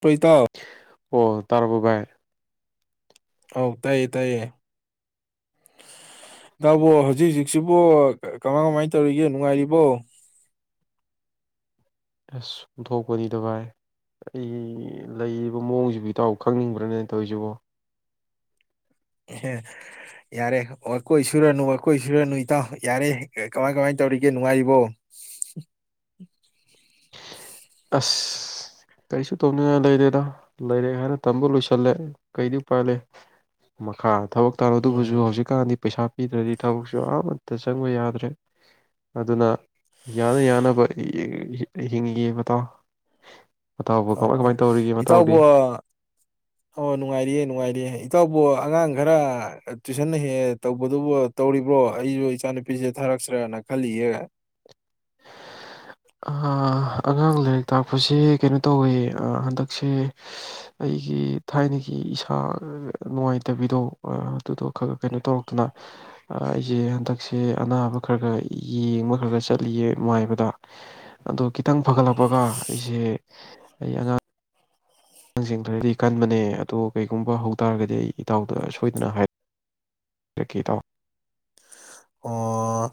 ꯇꯣ ꯏꯇꯥꯎ ꯑꯣ ꯇꯔꯥꯕꯣ ꯚꯥꯏ ꯑꯧ ꯇꯥꯏꯌꯦ ꯇꯥꯏꯌꯦ [unintelligible] ꯍꯧꯖꯤꯛ ꯍꯧꯖꯤꯛꯁꯤꯕ ꯀꯃꯥꯏ ꯀꯃꯥꯏꯅ ꯇꯧꯔꯤꯒꯦ ꯅꯨꯡꯉꯥꯏꯔꯤꯕꯣ ꯑꯁ ꯑꯣꯟꯊꯣꯛꯣꯄꯅꯤꯗ ꯚꯥꯏ ꯑꯩ ꯂꯩꯔꯤꯕ ꯃꯑꯣꯡꯁꯤꯕꯨ ꯏꯇꯥꯎ ꯈꯪꯅꯤꯡꯕ꯭ꯔꯅꯦ ꯇꯧꯔꯤꯁꯤꯕꯣ ꯌꯥꯔꯦ ꯋꯥꯀꯣꯏ ꯁꯨꯔꯅꯨ ꯋꯥꯀꯣꯏ ꯁꯨꯔꯅꯨ ꯏꯇꯥꯎ ꯌꯥꯔꯦ ꯀꯃꯥꯏ ꯀꯃꯥꯏꯅ ꯇꯧꯔꯤꯒꯦ ꯅꯨꯡꯉꯥꯏꯔꯤꯕꯣ ꯑꯁ ꯀꯔꯤꯁꯨ ꯇꯧꯅꯤꯡꯉꯥꯏ ꯂꯩꯇꯦꯗ ꯂꯥꯏꯔꯤꯛ ꯍꯥꯏꯅ ꯇꯝꯕ ꯂꯣꯏꯁꯤꯟ ꯆꯠꯂꯦ ꯀꯩꯗꯤ ꯎꯄꯥꯏꯂꯩ ꯃꯈꯥ ꯊꯕꯛ ꯇꯧꯔꯣ ꯑꯗꯨꯕꯨꯁꯨ ꯎꯝ ꯍꯧꯖꯤꯛꯀꯥꯟꯗꯤ ꯄꯩꯁꯥ ꯄꯤꯗ꯭ꯔꯗꯤ ꯊꯕꯛꯁꯨ ꯑꯃꯠꯇ ꯆꯪꯕ ꯌꯥꯗ꯭ꯔꯦ ꯑꯗꯨꯅ ꯌꯥꯅ ꯌꯥꯅꯕ ꯌꯥꯡꯉꯒꯦ [unintelligible] ꯀꯃꯥꯏ ꯑꯣ ꯀꯃꯥꯏ ꯇꯧꯔꯤꯒꯦ ꯃꯇꯥꯎꯗꯤ ꯏꯇꯥꯎꯕ ꯑꯣ ꯅꯨꯡꯉꯥꯏꯔꯤꯑꯦ ꯅꯨꯡꯉꯥꯏꯔꯤꯌꯦ ꯏꯇꯥꯎꯕ ꯑꯉꯥꯡ ꯈꯔ ꯇꯨꯏꯁꯟꯅ ꯍꯦꯛ ꯇꯧꯕꯗꯨꯕꯨ ꯇꯧꯔꯤꯕ꯭ꯔꯣ ꯑꯩꯁꯨ ꯏꯆꯥꯅꯨꯄꯤꯁꯦ ꯊꯥꯔꯛꯁꯤꯔꯅ ꯈꯜꯂꯤꯍꯦ ꯑꯥ ꯑꯉꯥꯡ ꯂꯥꯏꯔꯤꯛ ꯇꯥꯛꯄꯁꯦ ꯀꯩꯅꯣ ꯇꯧꯋꯦ ꯑꯥ ꯍꯟꯗꯛꯁꯦ ꯑꯩꯒꯤ ꯊꯥꯏꯅꯒꯤ ꯏꯁꯥ ꯅꯨꯡꯉꯥꯏꯇꯕꯤꯗꯣ ꯑꯗꯨꯗꯣ ꯈꯔ ꯀꯩꯅꯣ ꯇꯧꯔꯛꯇꯨꯅ ꯑꯩꯁꯦ ꯍꯟꯗꯛꯁꯦ ꯑꯅꯥꯕ ꯈꯔ ꯈꯔ ꯌꯦꯡꯕ ꯈꯔꯒ ꯆꯠꯂꯤꯌꯦ ꯃꯥꯏꯕꯗ ꯑꯗꯣ ꯈꯤꯇꯪ ꯐꯒꯠꯂꯛꯄꯒ ꯑꯩꯁꯦ ꯑꯩ ꯑꯉꯥꯡ ꯑꯉꯥꯡꯁꯤꯡ ꯈꯔꯗꯤ ꯀꯟꯕꯅꯦ ꯑꯗꯣ ꯀꯩꯒꯨꯝꯕ ꯍꯧꯇꯥꯥꯔꯒꯗꯤ ꯑꯩ ꯏꯇꯥꯎꯗ ꯁꯣꯏꯗꯅ ꯍꯥꯏꯔꯛꯦ ꯄꯤꯔꯛꯀꯦ ꯏꯇꯥꯎ ꯑꯣ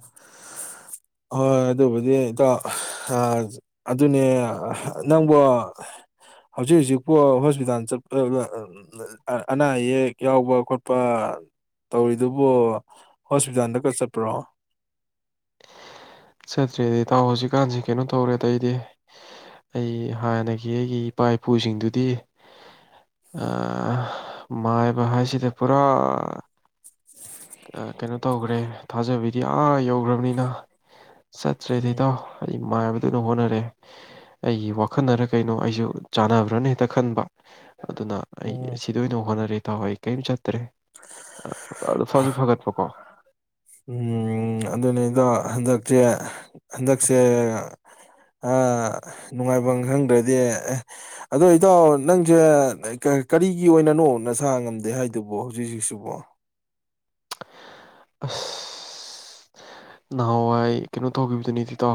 ꯍꯣꯏ ꯑꯗꯨꯕꯨꯗꯤ ꯏꯇꯥꯎ ꯑꯗꯨꯅꯦ ꯅꯪꯕꯨ ꯍꯧꯖꯤꯛ ꯍꯧꯖꯤꯛꯄꯣ ꯍꯣꯁꯄꯤꯇꯥꯜ ꯆꯠꯄ ꯑꯅꯥ ꯑꯌꯦꯛ ꯌꯥꯎꯕ ꯈꯣꯠꯄ ꯇꯧꯔꯤꯗꯨꯕꯨ ꯍꯣꯁꯄꯤꯇꯥꯜꯗ ꯆꯠꯄ꯭ꯔꯣ ꯆꯠꯇ꯭ꯔꯦꯗꯤ ꯏꯇꯥꯎ ꯍꯧꯖꯤꯛꯀꯥꯟꯁꯤ ꯀꯩꯅꯣ ꯇꯧꯔꯦꯗ ꯑꯩꯗꯤ ꯑꯩ ꯍꯥꯟꯅꯒꯤ ꯑꯩꯒꯤ ꯏꯄꯥ ꯏꯄꯨꯁꯤꯡꯗꯨꯗꯤ ꯑꯥ ꯃꯥꯏꯕ ꯍꯥꯏꯁꯤꯗ ꯄꯨꯔꯥ ꯀꯩꯅꯣ ꯇꯧꯈ꯭ꯔꯦ ꯊꯥꯖꯕꯤꯗꯤ ꯑꯥ ꯌꯧꯈ꯭ꯔꯕꯅꯤꯅ ꯆꯠꯇꯔꯦꯗ ꯏꯇꯥꯎ ꯑꯩ ꯑꯩ ꯃꯥꯏꯕꯗꯨꯅ ꯍꯣꯠꯅꯔꯦ ꯑꯩꯒꯤ ꯋꯥꯈꯜꯅꯔ ꯀꯩꯅꯣ ꯑꯩꯁꯨ ꯆꯥꯟꯅꯕ꯭ꯔꯅ ꯍꯦꯛꯇ ꯈꯟꯕ ꯑꯗꯨꯅ ꯑꯩ ꯎꯝ ꯁꯤꯗ ꯑꯣꯏꯅ ꯍꯣꯠꯅꯔꯦ ꯏꯇꯥꯎ ꯑꯩ ꯀꯩꯝ ꯆꯠ ꯇꯔꯦ ꯐꯁꯨ ꯐꯒꯠꯄꯀꯣ ꯎꯝ ꯑꯗꯨꯅꯦ ꯏꯇꯥꯎ ꯍꯟꯗꯛꯁꯦ ꯍꯟꯗꯛꯁꯦ ꯑꯥ ꯅꯨꯡꯉꯥꯏꯐꯝ ꯈꯪꯗ꯭ꯔꯗꯤ ꯑꯦ ꯑꯗꯣ ꯏꯇꯥꯎ ꯅꯪꯁꯦ ꯀꯔꯤꯒꯤ ꯑꯣꯏꯅꯅꯣ ꯅꯁꯥ ꯉꯝꯗꯦ ꯍꯥꯏꯗꯨꯕ ꯍꯧꯖꯤꯛ ꯍꯧꯖꯤꯛꯁꯤꯕꯣ ꯑꯁ ꯅꯍꯥꯟꯋꯥꯏ ꯀꯩꯅꯣ ꯇꯧꯈꯤꯕꯗꯨꯅꯤꯗꯤꯇꯣ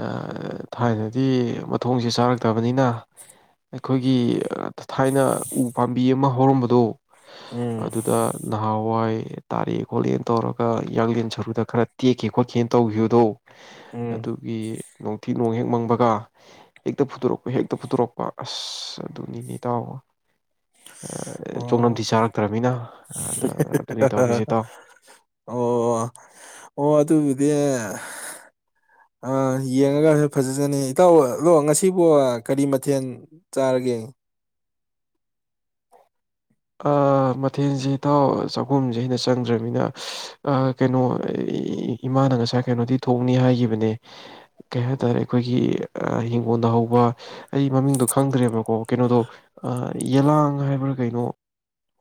ꯑꯥ ꯊꯥꯏꯅꯗꯤ ꯃꯊꯣꯡꯁꯦ ꯆꯥꯔꯛꯇꯕꯅꯤꯅ ꯑꯩꯈꯣꯏꯒꯤ ꯊꯥꯏꯅ ꯎ ꯄꯥꯝꯕꯤ ꯕꯤ ꯑꯃ ꯍꯧꯔꯝꯕꯗꯨꯣ ꯎꯝ ꯑꯗꯨꯗ ꯅꯍꯥꯟꯋꯥꯏ ꯑꯦ ꯇꯥꯔꯛꯑꯦ ꯈꯣꯠꯂꯦꯅ ꯇꯧꯔꯒ ꯌꯥꯡꯂꯦꯟ ꯁꯔꯨꯗ ꯈꯔ ꯇꯦꯛꯀꯦ ꯈꯣꯠꯀꯦꯅ ꯇꯧꯈꯤꯕꯗꯣ ꯎꯝ ꯑꯗꯨꯒꯤ ꯅꯣꯡꯊꯤ ꯅꯣꯡ ꯍꯦꯛ ꯃꯪꯕꯒ ꯍꯦꯛꯇ ꯐꯨꯠꯇꯣꯔꯛꯄ ꯍꯦꯛꯇ ꯐꯨꯠꯇꯣꯔꯛꯄ ꯑꯁ ꯑ ꯑꯗꯨꯅꯤꯅꯦ ꯇꯥꯎꯑꯣꯣ ꯑꯣ ꯆꯥꯔꯛꯇ꯭ꯔꯃꯤꯅ ꯑꯗ ꯑꯗꯨꯅꯤ ꯇꯧꯔꯤꯁꯦ ꯏꯇꯥꯎ ꯑꯣ ꯑꯣ ꯑꯗꯨꯗꯤ ꯌꯦꯡꯉꯒꯁꯨ ꯐꯖꯖꯅꯤ ꯏꯇꯥꯎ ꯑꯗꯣ ꯉꯁꯤꯕꯨ ꯀꯔꯤ ꯃꯊꯦꯜ ꯆꯥꯔꯒꯦ ꯃꯊꯦꯜꯁꯦ ꯏꯇꯥꯎ ꯆꯥꯛꯈꯨꯝꯁꯦ ꯑꯩꯅ ꯆꯪꯗ꯭ꯔꯅꯤꯅ ꯀꯩꯅꯣ ꯏꯃꯥꯅ ꯉꯁꯥꯏ ꯀꯩꯅꯣꯗꯤ ꯊꯣꯡꯅꯤ ꯍꯥꯏꯒꯤꯈꯤꯕꯅꯦ ꯀꯩ ꯍꯥꯏ ꯇꯔꯦ ꯑꯩꯈꯣꯏꯒꯤ ꯍꯤꯡꯒꯣꯜꯗ ꯍꯧꯕ ꯑꯩ ꯃꯃꯤꯡꯗꯣ ꯈꯪꯗ꯭ꯔꯦꯕꯀꯣ ꯀꯩꯅꯣꯗꯣ ꯌꯦꯂꯥꯡ ꯍꯥꯏꯕ꯭ꯔ ꯀꯩꯅꯣ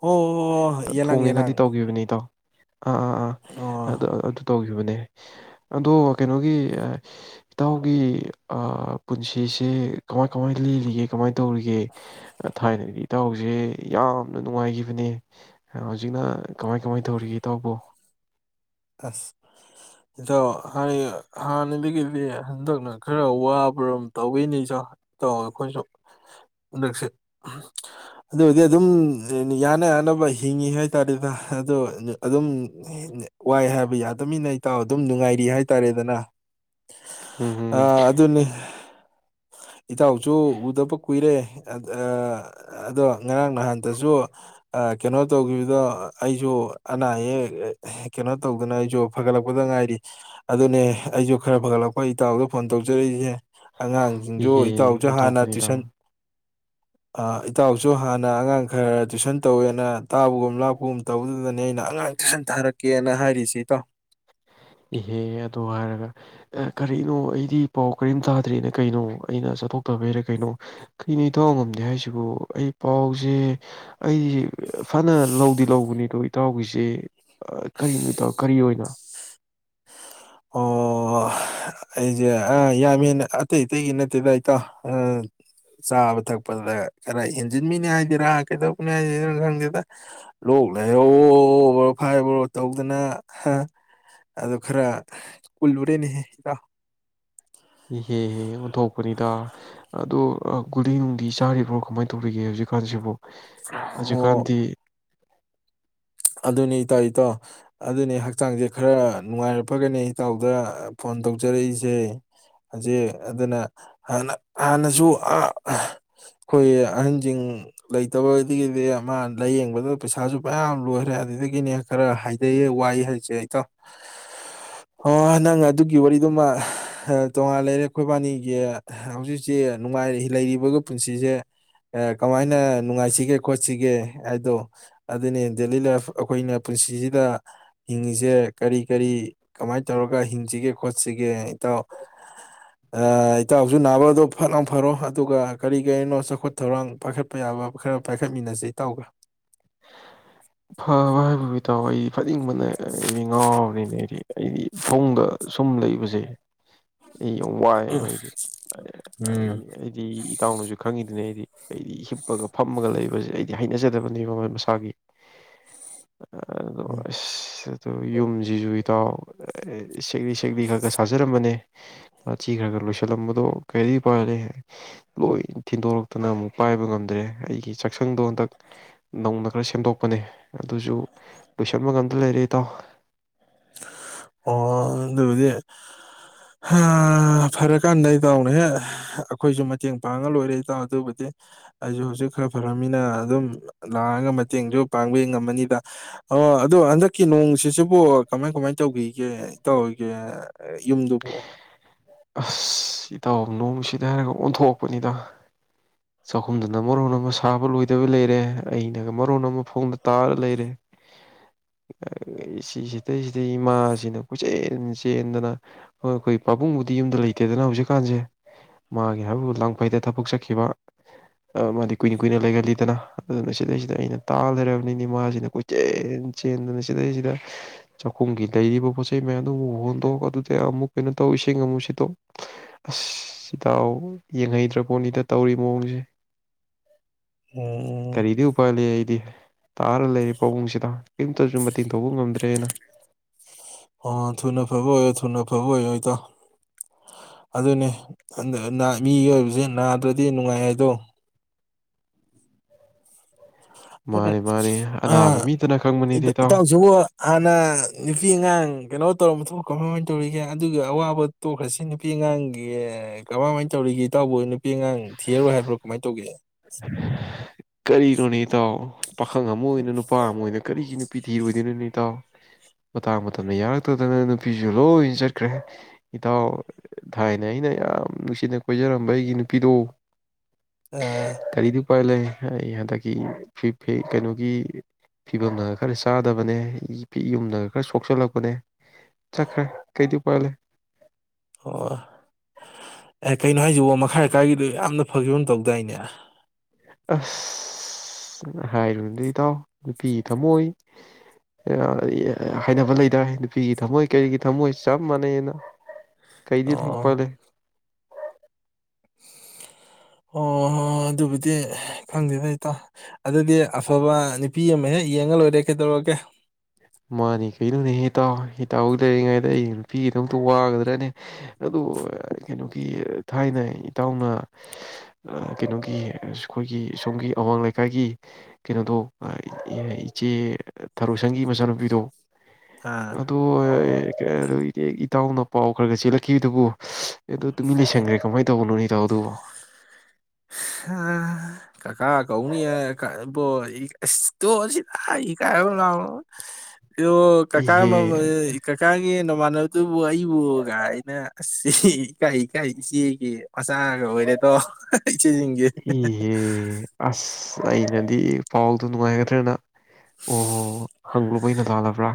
ꯑꯣ ꯌꯦꯂꯪ ꯊꯣꯡꯉꯦꯅꯗꯤ ꯌꯦꯂꯪ ꯇꯧꯈꯤꯕꯅꯤ ꯏꯇꯥꯎ ꯑꯥ ꯑꯥ ꯑꯥ ꯑꯗꯨ ꯑꯗꯨ ꯇꯧꯒꯦ ꯑꯗꯣ ꯀꯩꯅꯣꯒꯤ ꯏꯇꯥꯎꯒꯤ ꯄꯨꯟꯁꯤꯁꯦ ꯀꯃꯥꯏ ꯀꯃꯥꯏ ꯂꯤꯜꯂꯤꯒꯦ ꯀꯃꯥꯏ ꯇꯧꯔꯤꯒꯦ ꯊꯥꯏꯅꯒꯤ ꯇꯧꯁꯤ ꯌꯥꯝ ꯌꯥꯝꯅ ꯅꯨꯡꯉꯥꯏꯈꯤꯕꯅꯦ ꯍꯧꯖꯤꯛꯅ ꯀꯃꯥꯏ ꯀꯃꯥꯏ ꯇꯧꯔꯤꯒꯦ ꯏꯇꯥꯎꯕ ꯑꯁ ꯏꯆꯥꯎ ꯍꯥꯟ ꯍꯥꯟꯅꯗꯒꯤꯗꯤ ꯍꯟꯗꯛꯅ ꯈꯔ ꯋꯥꯕꯔꯣ ꯇꯧꯤꯅꯦ ꯏꯆꯥꯎ ꯏꯇꯥꯎ ꯑꯩꯈꯣꯏꯁꯨ ꯍꯟꯗꯛꯁꯦ ꯑꯗꯨ ꯑꯣꯏꯗꯤ ꯑꯗꯨꯝ ꯌꯥꯅ ꯌꯥꯅꯕ ꯍꯤꯡꯉꯤ ꯍꯥꯏꯇꯥꯔꯦꯗ ꯑꯗꯣ ꯑꯗꯨꯝ ꯋꯥꯏ ꯍꯥꯏꯕ ꯌꯥꯗꯃꯤꯟꯅ ꯏꯇꯥꯎ ꯑꯗꯨꯝ ꯅꯨꯡꯉꯥꯏꯔꯤ ꯍꯥꯏꯇꯥꯔꯦꯗꯅ ꯎꯝ ꯑ ꯍꯝ ꯑꯗꯨꯅꯤ ꯏꯇꯥꯎꯁꯨ ꯎꯗꯕ ꯀꯨꯏꯔꯦ ꯑꯥ ꯑꯗꯣ ꯉꯔꯥꯡ ꯅꯍꯥꯟꯇꯁꯨ ꯀꯩꯅꯣ ꯇꯧꯈꯤꯕꯗꯣ ꯑꯩꯁꯨ ꯑꯅꯥ ꯑꯌꯦꯛ ꯀꯩꯅꯣ ꯇꯧꯗꯅ ꯑꯩꯁꯨ ꯐꯒꯠꯂꯛꯄꯗ ꯉꯥꯏꯔꯤ ꯑꯗꯨꯅꯦ ꯑꯩꯁꯨ ꯈꯔ ꯐꯒꯠꯂꯛꯄ ꯏꯇꯥꯎꯗ ꯐꯣꯟ ꯇꯧꯖꯔꯛꯏꯁꯦ ꯑꯉꯥ ꯁꯤꯡꯖꯨ ꯏꯍꯦ ꯏꯇꯥꯎꯁꯨ ꯍꯥꯟꯅ ꯑꯣꯟꯊꯣꯛꯄꯅꯤꯗ ꯇꯨꯏꯁꯟ ꯏꯇꯥꯎꯁꯨ ꯍꯥꯟꯅ ꯑꯉꯥꯡ ꯈꯔ ꯇꯨꯏꯁꯟ ꯇꯧꯋꯦꯅ ꯇꯥꯕꯒꯨꯝ ꯂꯥꯛꯄꯒꯨꯝ ꯇꯧꯗꯨꯗꯅꯦ ꯑꯩꯅ ꯑꯉꯥꯡ ꯇꯨꯏꯁꯟ ꯇꯥꯔꯛꯀꯦꯅ ꯍꯥꯏꯔꯤꯁꯦ ꯏꯇꯥꯎ꯫ ꯏꯍꯦꯍ ꯑꯗꯨꯗ ꯍꯥꯏꯔꯒ ꯀꯔꯤꯅꯣ ꯑꯩꯗꯤ ꯄꯥꯎ ꯀꯔꯤꯝ ꯇꯥꯗ꯭ꯔꯦꯅ ꯀꯩꯅꯣ ꯑꯩꯅ ꯆꯠꯊꯣꯛꯇꯕꯩꯔ ꯀꯩꯅꯣ ꯀꯩꯅꯣ ꯏꯇꯥꯎ ꯉꯝꯗꯦ ꯍꯥꯏꯁꯤꯕꯨ ꯑꯩ ꯄꯥꯎꯁꯦ ꯑꯩꯗꯤ ꯐꯅ ꯂꯧꯗꯤ ꯂꯧꯕꯅꯤꯗꯣ ꯏꯇꯥꯎꯒꯤꯁꯦ ꯀꯔꯤꯅꯣ ꯏꯇꯧ ꯀꯔꯤ ꯑꯣꯏꯅꯣ [inaudible] ꯑꯣ ꯑꯩꯁꯦ ꯑ ꯌꯥꯝ ꯍꯦꯟꯅ ꯑꯇꯩ ꯑꯇꯩꯒꯤ ꯅꯠꯇꯦꯗ ꯑꯩꯇꯥꯎ ꯆꯥꯕ ꯊꯛꯄꯗ ꯈꯔ ꯍꯦꯟꯖꯤꯟꯕꯅꯤ ꯍꯥꯏꯗꯦꯔ ꯀꯩꯗꯧꯕꯅꯤ ꯍꯥꯏꯗꯦꯔ ꯈꯪꯗꯦꯗ ꯂꯣꯛ ꯂꯩꯔꯣꯍꯣ ꯐꯥꯏꯕꯍꯣ ꯇꯧꯗꯅ ꯍꯥ ꯑꯗꯨ ꯈꯔ ꯀꯨꯜꯂꯨꯔꯦꯅꯦꯍꯦ ꯏꯇꯥꯎ ꯏꯍꯦꯍꯦ ꯑꯣꯟꯊꯣꯛꯄꯅꯤꯗ ꯑꯗꯣ ꯒꯨꯂꯤ ꯅꯨꯡꯗꯤ ꯆꯥꯔꯤꯕ꯭ꯔꯣ ꯀꯃꯥꯏꯅ ꯇꯧꯕꯤꯒꯦ ꯍꯧꯖꯤꯛꯀꯥꯟꯁꯤꯕꯨ꯫ ꯑꯣ ꯍꯧꯖꯤꯛꯀꯥꯟꯗꯤ ꯑꯗꯨꯅꯤ ꯏꯇꯥꯎ ꯏꯇꯥꯎ ꯑꯗꯨꯅꯤ ꯍꯛꯆꯥꯡꯁꯦ ꯈꯔ ꯅꯨꯡꯉꯥꯏꯔ ꯐꯒꯅꯤ ꯏꯇꯥꯎꯗ ꯐꯣꯟ ꯇꯧꯖꯔꯛꯏꯁꯦ ꯍꯧꯖꯤꯛ ꯑꯗꯨꯅꯅ ꯍꯥꯟꯅ ꯍꯥꯟꯅꯁꯨ ꯑꯥ ꯑꯩꯈꯣꯏ ꯑꯍꯟꯁꯤꯡ ꯂꯩꯇꯕꯗꯒꯤꯗꯤ ꯃꯥ ꯂꯥꯏꯌꯦꯡꯕꯗ ꯄꯩꯁꯥꯁꯨ ꯃꯌꯥꯝ ꯂꯣꯏꯔꯦ꯫ ꯔꯦ ꯑꯗꯨꯗꯒꯤꯅꯦ ꯈꯔ ꯍꯥꯏꯖꯩꯌꯦ ꯋꯥꯏꯑ ꯍꯥꯏꯁꯦ ꯑꯩꯇꯣ ꯑꯣ ꯅꯪ ꯑꯗꯨꯒꯤ ꯋꯥꯔꯤꯗꯨꯃ ꯇꯣꯉꯥꯟ ꯂꯩꯔꯦ ꯑꯩꯈꯣꯏ ꯏꯕꯥꯅꯤꯒꯤ ꯍꯧꯖꯤꯛꯁꯦ ꯅꯨꯡꯉꯥꯏ ꯂꯩꯔꯤꯕꯒ ꯄꯨꯟꯁꯤꯁꯦ ꯑꯦ ꯀꯃꯥꯏꯅ ꯅꯨꯡꯉꯥꯏꯁꯤꯒꯦ ꯈꯣꯠꯁꯤꯒꯦ ꯍꯥꯏꯗꯣ ꯑꯗꯨꯅꯦ ꯗꯦꯂꯤ ꯂꯥꯏꯐ ꯑꯩꯈꯣꯏꯅ ꯄꯨꯟꯁꯤꯁꯤꯗ ꯍꯤꯡꯉꯤꯁꯦ ꯀꯔꯤ ꯀꯔꯤ ꯀꯃꯥꯏꯅ ꯇꯧꯔꯒ ꯍꯤꯡꯁꯤꯒꯦ ꯈꯣꯠꯁꯤꯒꯦ ꯏꯇꯥꯎ ꯑꯥ ꯏꯇꯥꯎꯁꯨ ꯅꯥꯕꯗꯣ ꯐꯠꯂꯥꯎ ꯐꯔꯣ ꯑꯗꯨꯒ ꯀꯔꯤ ꯀꯔꯤꯅꯣ ꯆꯥꯎꯈꯠ ꯊꯧꯔꯥꯡ ꯄꯥꯏꯈꯠꯄ ꯌꯥꯕ ꯈꯔ ꯄꯥꯏꯈꯠꯃꯤꯟꯅꯁ ꯏꯇꯥꯎꯒ꯫ ꯐ ꯋꯥꯕꯤꯕꯨ ꯏꯇꯥꯎ ꯑꯩ ꯐꯅꯤꯡꯕꯅ ꯑꯩꯗꯤ ꯉꯥꯎꯅꯤꯅꯦ ꯑꯩꯗꯤ꯫ ꯍꯥꯏꯗꯤ ꯐꯃꯨꯡꯗ ꯁꯨꯝ ꯂꯩꯕꯁꯦ ꯑꯩ ꯌꯥꯝ ꯋꯥꯏꯑꯦꯕ ꯑꯩꯗꯤ ꯎꯝ ꯑꯩꯗꯤ ꯑꯩꯗꯤ ꯏꯇꯥꯎꯅꯁꯨ ꯈꯪꯉꯤ ꯑꯗꯨꯅ ꯑꯩꯗꯤ ꯑꯩꯗꯤ ꯍꯤꯞꯄꯒ ꯐꯝꯃꯒ ꯂꯩꯕꯁꯤ ꯑꯩꯗꯤ ꯍꯩꯅꯖꯗꯕꯅꯦꯕ ꯃꯣꯏ ꯃꯁꯥꯒꯤ꯫ ꯎꯝ [unintelligible] ꯑꯗ ꯌꯨꯝ ꯖꯤꯖꯨ ꯏꯇꯥꯎ ꯁꯦꯛꯂꯤ ꯁꯦꯛꯂꯤ ꯈꯔ ꯈ ꯁꯥꯖꯔꯝꯕꯅꯦꯥꯊ ꯈꯔ ꯈ ꯂꯣꯏꯁꯤꯜꯂꯝꯕꯗꯣ ꯀꯔꯤꯗꯤ ꯄꯥꯏꯂꯦ ꯂꯣꯏ ꯊꯤꯟꯗꯣꯔꯛꯇꯅ ꯑꯃꯨꯛ ꯄꯥꯏꯕ ꯉꯝꯗ꯭ꯔꯦ ꯑꯩꯒꯤ ꯆꯥꯛꯁꯪꯗꯣ ꯍꯟꯗꯛ ꯅꯧꯅ ꯈꯔ ꯁꯦꯝꯗꯣꯛ ꯅꯦ ꯑꯗꯨꯁꯨ ꯂꯣꯏꯁꯟꯕ ꯉꯝꯇ ꯂꯩꯔꯦ ꯏꯇꯥꯎ ꯑꯣ ꯑꯗꯨꯕꯨꯗꯤ ꯐꯔꯀꯥꯟꯗ ꯏꯇꯥꯎꯅꯦꯍꯦ ꯑꯩꯈꯣꯏꯁꯨ ꯃꯇꯦꯡ ꯄꯥꯡꯉ ꯂꯣꯏꯔꯦ ꯏꯇꯥꯎ ꯑꯗꯨꯕꯨꯗꯤ ꯑꯩꯁꯨ ꯍꯧꯖꯤꯛ ꯈꯔ ꯐꯔꯅꯤꯅ ꯑꯗꯨꯝ ꯂꯥꯛꯑꯒ ꯃꯇꯦꯡꯁꯨ ꯄꯥꯡꯕ ꯉꯝꯃꯅꯤꯗ ꯑꯣ ꯑꯗꯨꯗꯣ ꯍꯟꯗꯛꯀꯤ ꯅꯣꯡꯁꯤꯁꯤꯕꯨ ꯀꯃꯥꯏ ꯀꯃꯥꯏ ꯇꯧꯈꯤꯒꯦ ꯇꯧꯒꯦ ꯌꯨꯝꯗꯨꯕꯨ ꯑꯁ ꯁꯤ ꯇꯥ ꯅꯣꯡꯃ ꯁꯤꯗ ꯍꯥꯏꯔꯒ ꯑꯣꯟꯊꯣꯛꯄꯅꯤꯗ ꯆꯥꯛꯈꯨꯝꯗꯅ ꯃꯔꯣꯟ ꯑꯃ ꯁꯥꯕ ꯂꯣꯏꯗꯕ ꯂꯩꯔꯦ ꯑꯩꯅꯒ ꯃꯔꯣꯟ ꯑꯃ ꯐꯣꯡꯗ ꯇꯥꯔ ꯂꯩꯔꯦ ꯁꯤꯁꯤꯗꯩꯁꯤꯗꯩ ꯏꯃꯥꯁꯤꯅ ꯀꯣꯏꯆꯦꯟ ꯆꯦꯟꯗꯅ ꯑꯩꯈꯣꯏ ꯄꯥꯕꯨꯡꯕꯨꯗꯤ ꯌꯨꯝꯗ ꯂꯩꯇꯦꯗꯅ ꯍꯧꯖꯤꯛꯀꯥꯟꯁꯦ ꯃꯥꯒꯤ ꯍꯥꯏꯕꯕꯨ ꯂꯥꯡꯐꯩꯗ ꯊꯕꯛ ꯆꯠꯈꯤꯕ ꯃꯥꯗꯤ ꯀꯨꯏꯅ ꯀꯨꯏꯅ ꯂꯩꯒꯜꯂꯤꯗꯅ ꯑꯗꯨꯅ ꯁꯤꯗꯩꯁꯤꯗ ꯑꯩꯅ ꯇꯥ ꯂꯩꯔꯕꯅꯤꯅꯤ ꯃꯥꯁꯤꯅ ꯀꯣꯏꯆꯦꯟ ꯆꯦꯟꯗꯅ ꯁꯤꯗꯩꯁꯤꯗ ꯆꯥꯛꯈꯨꯝꯒꯤ ꯂꯩꯔꯤꯕ ꯄꯣꯠ ꯆꯩꯩ ꯃꯌꯥꯝꯗꯨ ꯑꯃꯨꯛ ꯍꯣꯟꯗꯣꯛ ꯑꯗꯨꯗ ꯑꯃꯨꯛ ꯀꯩꯅꯣ ꯇꯧ ꯏꯁꯤꯡ ꯑꯃꯨꯛ ꯁꯤꯠꯇꯣꯛ ꯑꯁ ꯁꯤꯇꯥꯎ ꯌꯦꯡꯍꯩꯗ꯭ꯔ ꯄꯣꯠꯅꯤꯗ ꯇꯧꯔꯤꯕ ꯃꯑꯣꯡꯖꯦ ꯎꯝ ꯀꯔꯤꯗꯤ ꯎꯥꯏ ꯂꯩ ꯑꯩꯗꯤ ꯇꯥꯔ ꯂꯩꯔꯤ ꯄꯥꯕꯨꯡꯁꯤꯗ ꯀꯔꯤꯝꯇꯁꯨ ꯃꯇꯦꯡ ꯇꯧꯕ ꯉꯝꯗ꯭ꯔꯦꯅ ꯑꯐꯕ ꯑꯣꯏꯗꯣꯏꯗꯣ ꯑꯗꯨꯅꯦ ꯃꯤꯒꯤ ꯑꯣꯏꯕꯁꯦ ꯅꯥꯗ꯭ꯔꯗꯤ ꯅꯨꯡꯉꯥꯏ ꯍꯥꯏꯗꯣ ꯑꯗꯨꯅꯦ ꯃꯥꯅꯤ ꯃꯥꯅꯤ ꯑ ꯑꯅꯥꯕ ꯃꯤꯗꯅ ꯈꯪꯕꯅꯤꯗ ꯏꯇꯥ ꯏꯇꯥꯎ ꯏꯇꯥꯎꯖꯨ ꯍꯥꯟꯅ ꯅꯨꯄꯤ ꯑꯉꯥꯡ ꯀꯩꯅꯣ ꯇꯧꯔꯝꯕ ꯊꯣꯛꯈ꯭ꯔꯕꯣ ꯀꯃꯥꯏꯃꯥꯏꯅ ꯇꯧꯔꯤꯒꯦ ꯑꯗꯨꯒ ꯑꯋꯥꯕ ꯇꯣꯛꯈ꯭ꯔꯁꯤ ꯅꯨꯄꯤ ꯑꯉꯥꯡꯒꯤ ꯀꯃꯥꯏꯃꯥꯏꯅ ꯇꯧꯔꯤꯒꯦ ꯏꯇꯥꯎꯕꯨ ꯅꯨꯄꯤ ꯑꯉꯥꯡ ꯊꯤꯔꯔꯣꯏ ꯍꯥꯏꯕ꯭ꯔꯣ ꯀꯃꯥꯏ ꯇꯧꯒꯦ [unintelligible] ꯀꯔꯤꯅꯣꯅꯦ ꯏꯇꯥꯎ ꯄꯥꯈꯪ ꯑꯃ ꯑꯣꯏꯅ ꯅꯨꯄꯥ ꯑꯃ ꯑꯣꯏꯅ ꯀꯔꯤꯒꯤ ꯅꯨꯄꯤ ꯊꯤꯔꯣꯏꯗꯣꯏꯅꯅ ꯏꯇꯥꯎ ꯃꯇꯥꯡ ꯃꯇꯝꯗ ꯌꯥꯔꯛꯇꯗꯅ ꯅꯨꯄꯤꯁꯨ ꯂꯣꯏꯅ ꯆꯠꯈ꯭ꯔꯦ ꯏꯇꯥꯎ ꯊꯥꯏꯅ ꯑꯩꯅ ꯌꯥꯝ ꯅꯨꯡꯁꯤꯅ ꯀꯣꯏꯖꯔꯝꯕ ꯑꯩꯒꯤ ꯅꯨꯄꯤꯗꯣ ꯑ ꯀ ꯎ ꯄꯥꯏ ꯂꯩꯦ ꯑꯩ ꯍꯟꯗꯛꯀꯤ ꯀꯩꯅꯣꯒꯤ ꯐꯤꯕꯝꯅꯒ ꯈꯔ ꯆꯥꯗꯕꯅꯦ ꯌꯨꯝꯗꯒ ꯈꯔ ꯁꯣꯛꯆꯜꯂꯛꯄꯅꯦ ꯆꯠꯈ꯭ꯔꯦ ꯀꯩꯁꯨ ꯄꯥꯏ ꯂꯩꯦ ꯑꯣ ꯑꯦ ꯀꯩꯅꯣ ꯍꯥꯏꯁꯤꯕꯣ ꯃꯈꯥꯏ ꯑꯀꯥꯏꯒꯤꯗꯣ ꯌꯥꯝꯅ ꯐꯈꯤꯕ ꯑꯃ ꯇꯧꯗꯥꯏꯅꯦ ꯑꯁ ꯍꯥꯏꯔꯨꯗꯤ ꯏꯇꯥꯎ ꯅꯨꯄꯤꯒꯤ ꯊꯝꯃꯣꯏ ꯍꯥꯏꯅꯕ ꯂꯩꯗꯥ ꯅꯨꯄꯤꯒꯤ ꯊꯝꯃꯣꯏ ꯀꯔꯤꯒꯤ ꯊꯝꯃꯣꯏ ꯆꯞ ꯃꯥꯟꯅꯩꯅ ꯀꯩꯗꯤ ꯑꯣ [unintelligible] ꯑꯣ ꯍꯣꯏ ꯑꯗꯨꯕꯨꯗꯤ ꯐꯪꯗꯦ ꯐꯩꯇꯣ ꯑꯗꯨꯗꯤ ꯑꯐꯕ ꯅꯨꯄꯤ ꯑꯃ ꯍꯦꯛ ꯌꯦꯡꯉ ꯂꯣꯏꯔꯦ ꯀꯩꯗꯧꯔꯒꯦ ꯃꯥꯅꯤ ꯀꯩꯅꯣꯅꯦꯍꯦ ꯏꯇꯥꯎ ꯏꯇꯥꯎ ꯂꯩꯔꯤꯉꯩꯗ ꯑꯩꯒꯤ ꯅꯨꯄꯤꯒꯤꯗꯃꯛꯇ ꯋꯥꯒꯗ꯭ꯔꯅꯦ ꯑꯗꯨ ꯀꯩꯅꯣꯒꯤ ꯊꯥꯏꯅ ꯏꯇꯥꯎꯅ ꯑꯥ ꯀꯩꯅꯣꯒꯤ ꯑꯥ ꯈꯣꯏꯒꯤ ꯁꯣꯝꯒꯤ ꯑꯋꯥꯡ ꯂꯩꯀꯥꯏꯒꯤ ꯀꯩꯅꯣꯗꯣ ꯑꯥ ꯏꯆꯦ ꯊꯔꯣꯁꯪꯒꯤ ꯃꯆꯥꯅꯨꯞ ꯗꯑꯣ ꯑꯥ ꯑꯗꯣ ꯀ ꯏ ꯇꯎꯅ ꯄꯥꯎ ꯈꯔ ꯈ ꯆꯦꯜꯂꯛꯈꯤꯕ ꯑꯗꯨꯕꯨ ꯑꯗꯣ ꯇꯨꯃꯤ ꯂꯩ ꯑꯦ ꯁꯪꯈ꯭ꯔꯦ ꯀꯃꯥꯏꯅ ꯇꯧꯕꯅꯣ ꯅꯇꯣ ꯑꯗꯨꯕꯨꯣ ꯀꯀꯥ ꯀꯧꯅꯤꯌꯦ ꯏꯕꯣꯇꯣꯁꯤꯗ [unintelligible] ꯏꯍꯦ [unintelligible] ꯀꯀꯥꯒꯤ ꯏꯃꯥꯟꯅꯕꯗꯨꯕꯨ ꯑꯩꯕꯨ ꯀꯥꯏꯅ ꯑꯩ ꯏꯀꯥꯏ ꯏꯀꯥꯏ ꯏꯆꯦꯒꯤ ꯃꯆꯥꯒ ꯑꯣꯏꯔꯦꯗꯣ [unintelligible] ꯅꯤꯡꯒꯦ ꯏꯍꯦ ꯑꯁ ꯑꯩꯅꯗꯤ ꯄꯥꯎꯗꯣ ꯅꯨꯡꯉꯥꯏꯒ꯭ꯗꯔꯅ ꯑꯣ ꯍꯪꯂꯨꯕ ꯑꯩꯅ ꯂꯥꯜꯂꯕ꯭ꯔꯥ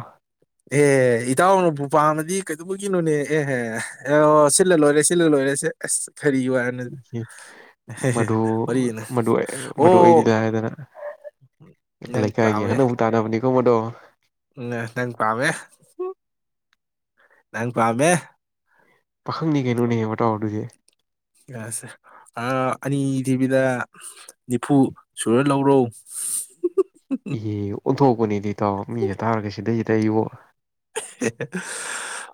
ꯑꯦ ꯏꯇꯥꯎꯅꯕꯨ ꯄꯥꯝꯃꯗꯤ ꯀꯩꯗꯧꯕꯒꯤꯅꯣꯅꯦ ꯑꯦꯍꯦ ꯑꯦ ꯁꯤꯜꯂ ꯂꯣꯏꯔꯦ ꯁꯤꯜꯂ ꯂꯣꯏꯔꯦ ꯁꯦ ꯑꯁ ꯀꯔꯤ ꯋꯥꯅꯣꯗ ꯃꯗꯨ ꯋꯥꯔꯤꯅ ꯃꯗꯨ ꯑꯩꯗꯤ ꯑꯣ ꯂꯥꯏꯔꯗꯅ ꯅꯪ ꯂꯩꯀꯥꯏꯒꯤ ꯄꯥꯝꯃꯦ ꯑꯍꯟꯅꯕꯨꯛ ꯇꯥꯟꯅꯕꯅꯤ [unintelligible] ꯎꯝ ꯅꯪ ꯄꯥꯥꯝꯃꯦ ꯅꯪ ꯄꯥꯥꯝꯃꯦ ꯄꯥꯈꯪꯅꯤ ꯀꯩꯅꯣꯅꯦꯕ ꯃꯇꯥꯎ ꯑꯗꯨꯗꯤ ꯑꯁ ꯑꯗꯣ ꯑꯅꯤ ꯊꯤꯕꯤꯗ ꯅꯤꯐꯨ ꯁꯨꯔ ꯂꯧꯔꯣ ꯏꯍꯦ ꯑꯣꯟꯊꯣꯛꯄ [unintelligible] ꯃꯤꯅ ꯊꯥꯔꯒꯗꯤ ꯁꯤꯗꯩꯁꯤꯗ ꯑꯩꯕꯣ [unintelligible]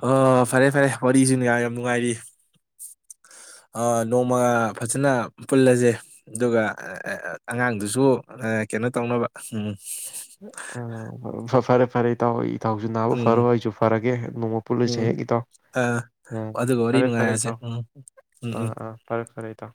ꯑꯣ ꯐꯔꯦ ꯐꯔꯦ ꯋꯥꯔꯤꯁꯨ ꯌꯥꯝ ꯅꯨꯡꯉꯥꯏꯔꯤ ꯅꯣꯡꯃ ꯐꯖꯅ ꯄꯨꯜꯂꯁꯦ ꯑꯗꯨꯒ ꯑꯉꯥꯡꯗꯨꯁꯨ ꯀꯩꯅꯣ ꯇꯧꯅꯕ ꯑ ꯐꯔꯦ ꯐꯔꯦ ꯏꯇꯥꯎ ꯑꯩ ꯏꯇꯥꯎꯁꯨ ꯅꯥꯕꯨ ꯐꯔꯣ ꯎꯝ ꯑꯩꯁꯨ ꯐꯔꯒꯦ ꯅꯣꯡꯃ ꯄꯨꯜꯂꯨꯁꯦ ꯎꯝ ꯍꯦꯛ ꯏꯇꯥꯎ ꯑ ꯑꯥ ꯑꯗꯨꯒ ꯋꯥꯔꯤ ꯐꯔꯦ ꯐꯔꯦ ꯅꯨꯡꯉꯥꯏꯔꯁꯦ ꯏꯇꯥꯎ ꯎꯝ ꯎꯝ ꯎꯝ ꯑꯥ ꯑꯥ ꯐꯔꯦ ꯐꯔꯦ [unintelligible]